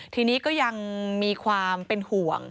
ทีนี้ก็ยังมีความเป็นห่วง